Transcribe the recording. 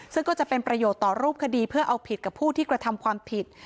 ซึ่งก็จะเป็นประโยชน์ต่อรูปคดีเพื่อเอาผิดกับผู้ที่กระทำความผิด